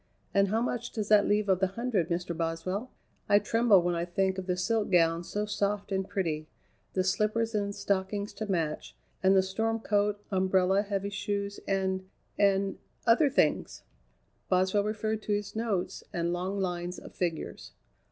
"And how much does that leave of the hundred, Mr. Boswell? I tremble when I think of the silk gown so soft and pretty, the slippers and stockings to match, and the storm coat, umbrella, heavy shoes, and and other things." Boswell referred to his notes and long lines of figures.